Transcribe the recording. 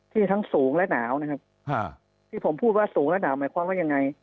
ทั้งสูงและหนาวนะครับที่ผมพูดว่าสูงและหนาวหมายความว่ายังไง